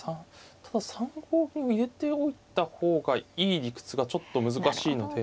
ただ３五銀を入れておいた方がいい理屈がちょっと難しいので。